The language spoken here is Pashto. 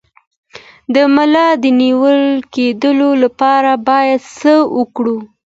د ملا د نیول کیدو لپاره باید څه وکړم؟